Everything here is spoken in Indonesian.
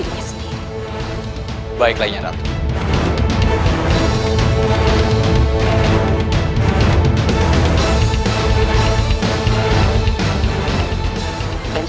setelah kita dapatkan darah lan